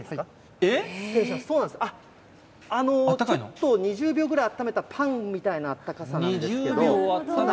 ちょっと２０秒ぐらいあっためたパンみたいなあったかさなんですけど。